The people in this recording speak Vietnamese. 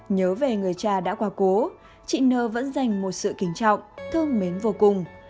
nhớ về người cha đã qua cố chị nơ vẫn dành một sự kính trọng thương mến vô cùng